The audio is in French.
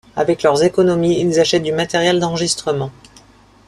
Avec leurs économies, ils achètent du matériel d'enregistrement.